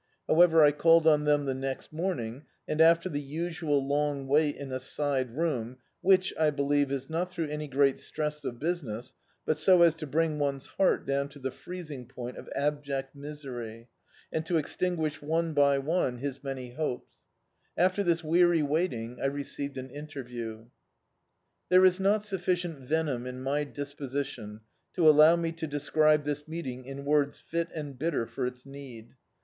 However, I called on them the next morning, and after the usual long wait in a side room — which, I believe, is not through any great stress of business, but so as to bring one's heart down to the freezing point of ab ject misery, and to extinguish one by one his many D,i.,.db, Google The Autobiography of a Super Tramp hopes — after this weary waiting, I received an inter view. There is not sufiicient venom in my disposi tion to allow me to describe this meeting in words fit and bitter for its need.